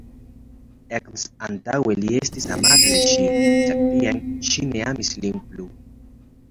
Ekz: Antaŭe li estis amata de ŝi, sed tiam ŝi ne amis lin plu.